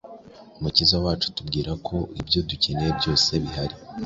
Umukiza wacu atubwira ko ibyo dukeneye byose bihari